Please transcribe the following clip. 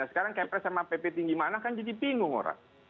sekarang kepres sama pp tinggi mana kan jadi bingung orang